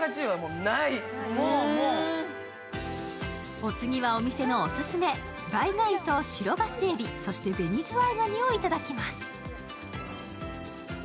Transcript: お次はお店のオススメ、ばい貝と白ガスエビ、そして紅ズワイガニをいただきます。